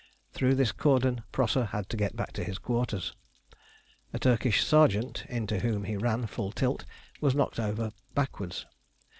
Through this cordon Prosser had to get back to his quarters. A Turkish sergeant, into whom he ran full tilt, was knocked over backwards.